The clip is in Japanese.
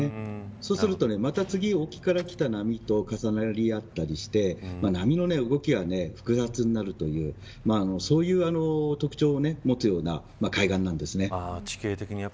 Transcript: そうすると、また次、沖からきた波と重なり合ったりして波の動きが複雑になるというそういう特徴を持つような海岸なんです。